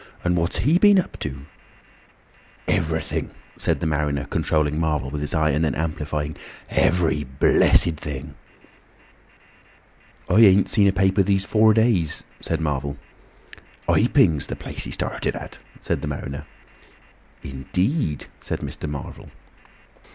"And what's he been up to?" "Everything," said the mariner, controlling Marvel with his eye, and then amplifying, "every—blessed—thing." "I ain't seen a paper these four days," said Marvel. "Iping's the place he started at," said the mariner. "In deed!" said Mr. Marvel.